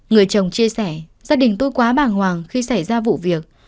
người chồng chia sẻ gia đình tôi quá bàng hoàng khi xảy ra vụ việc